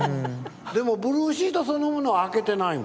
でもブルーシートそのものは開けてないの。